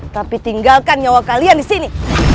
tapi tinggalkan nyawa kalian disini